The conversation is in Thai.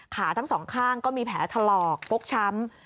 ขาทั้งสองข้างก็มีแผลถลอกฟกช้ำ